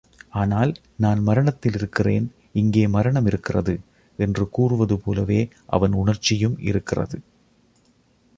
ஆனால், நான் மரணத்திலிருக்கிறேன் இங்கே மரணம் இருக்கிறது! என்று கூறுவது போலவே அவன் உணர்ச்சியும் இருக்கிறது.